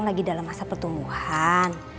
lagi dalam masa pertumbuhan